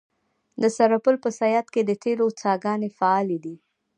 د سرپل په صیاد کې د تیلو څاګانې فعالې دي.